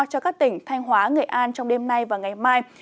cho các tỉnh thanh hóa nghệ an trong đêm nay và ngày mai